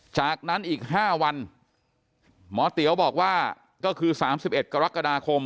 จากนั้นอีก๕วันหมอเตี๋ยวบอกว่าก็คือ๓๑กรกฎาคม